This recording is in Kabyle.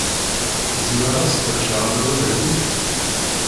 Zemreɣ ad sqedceɣ amawal-a-nnek?